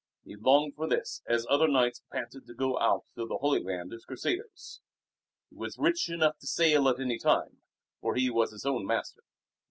He longed for this as other knights panted to go out to the Holy Land as Crusaders. He was rich enough to sail at any time, for he was his own master.